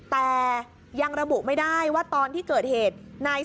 แต่ยังระบุไม่ได้ว่าตอนที่เกิดเหตุ